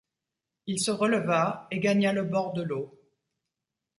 Il se releva et gagna le bord de l’eau.